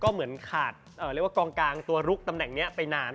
เหมือนขาดกองกางตัวลุคตำแหน่งนี้ไปนาน